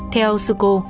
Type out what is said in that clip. theo sư cô